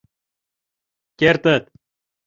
Кертыт.